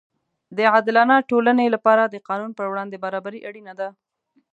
د عادلانه ټولنې لپاره د قانون پر وړاندې برابري اړینه ده.